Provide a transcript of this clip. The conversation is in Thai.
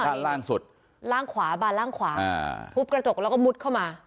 ด้านล่างสุดล่างขวาบานล่างขวาอ่าทุบกระจกแล้วก็มุดเข้ามา